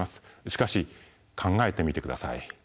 しかし考えてみてください。